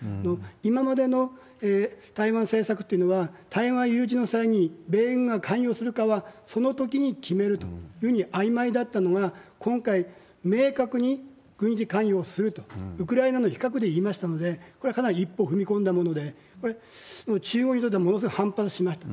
今までの台湾政策というのは、台湾有事の際に米軍が関与するかは、そのときに決めるというふうに、あいまいだったのが、今回、明確に軍事関与すると、比較で言いましたので、これはかなり一歩踏み込んだもので、これ、中央にとってはものすごく反発しました。